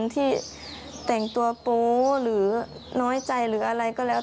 ที่แต่งตัวโป๊หรือน้อยใจหรืออะไรก็แล้ว